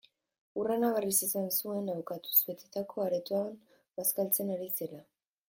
Hurrena, berriz esan zuen, abokatuz betetako aretoan bazkaltzen ari zirela.